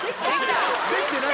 できてないのよ。